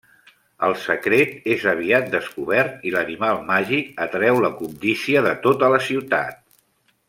El secret és aviat descobert i l'animal màgic atreu la cobdícia de tota la ciutat.